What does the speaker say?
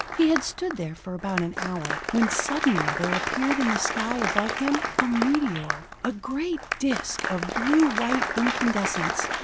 He had stood there for about an hour when suddenly there appeared in the sky above him, a meteor, a great disc of blue white incandescence.